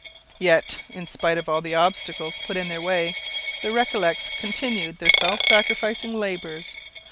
Yet, in spite of all the obstacles put in their way, the Recollets continued their self sacrificing labours.